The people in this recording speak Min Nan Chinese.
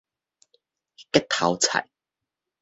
結頭菜